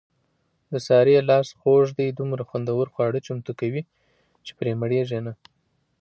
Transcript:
د سارې لاس خوږ دی دومره خوندور خواړه چمتو کوي، چې پرې مړېږي نه.